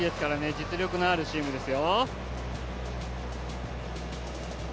実力のあるチームですよ。